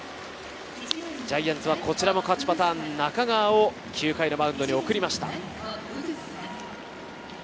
ジャイアンツはこちらも勝ちパターン、中川を９回のマウンドに送りました。